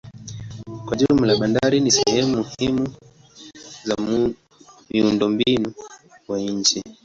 Kwa jumla bandari ni sehemu muhimu za miundombinu wa nchi.